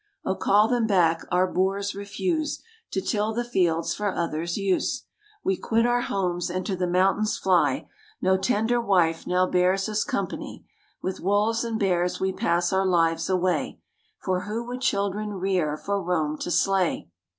Oh, call them back. Our boors refuse To till the fields for others' use. We quit our homes, and to the mountains fly, No tender wife now bears us company; With wolves and bears we pass our lives away, For who would children rear for Rome to slay?